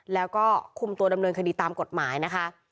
แล้วก็คุมตัวดำเนินคดีตามกฎหมายนะคะ